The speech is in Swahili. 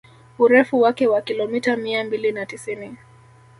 Urefu wake wa kilomita mia mbili na tisini